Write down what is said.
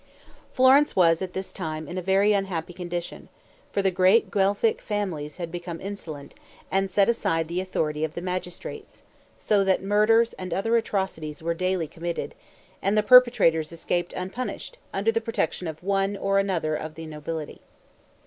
Florence was at this time in a very unhappy condition; for the great Guelphic families had become insolent, and set aside the authority of the magistrates; so that murders and other atrocities were daily committed, and the perpetrators escaped unpunished, under the protection of one or other of the nobility.